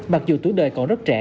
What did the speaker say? mặc dù tuổi đời còn rất trẻ